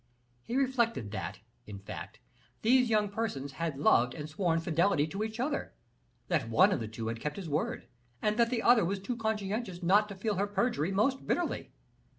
He reflected that, in fact, these young persons had loved and sworn fidelity to each other; that one of the two had kept his word, and that the other was too conscientious not to feel her perjury most bitterly.